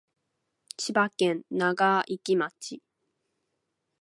千葉県長生村